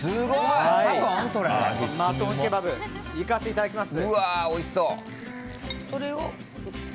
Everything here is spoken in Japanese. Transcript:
マトンケバブいかせていただきます。